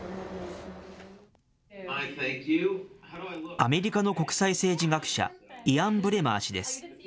アメリカの国際政治学者、イアン・ブレマー氏です。